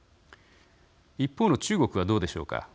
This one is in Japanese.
一方の中国はどうでしょうか。